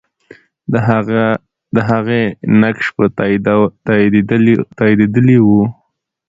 د هغې نقش به تاییدېدلی وو.